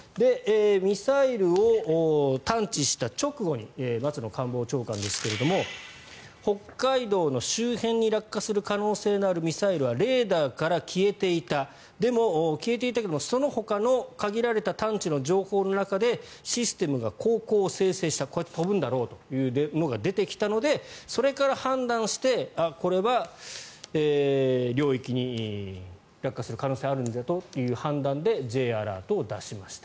ミサイルを探知した直後に松野官房長官ですが北海道の周辺に落下する可能性のあるミサイルはレーダーから消えていたでも、消えていたけれどもそのほかの限られた探知の情報の中でシステムが航跡を生成したこうやって飛ぶんだろうというのが出てきたのでそれから判断してこれは領域に落下する可能性があるという判断でＪアラートを出しました。